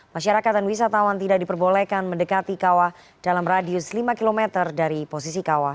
masyarakat dan wisatawan tidak diperbolehkan mendekati kawah dalam radius lima km dari posisi kawah